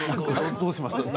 どうしました？